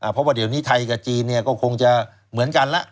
เพราะว่าเดี๋ยวนี้ไทยกับจีนก็คงจะเหมือนกันแล้ว